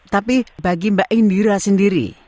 tapi bagi mbak indira sendiri